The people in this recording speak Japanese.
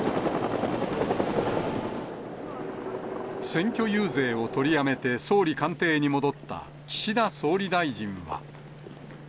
選挙遊説を取りやめて総理官邸に戻った岸田総理大臣は。